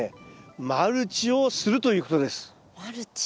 マルチをするということです。